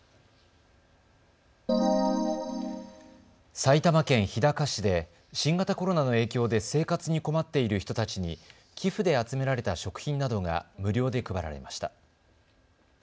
埼玉県日高市で新型コロナの影響で生活に困っている人たちに寄付で集められた食品などが無料で配られました。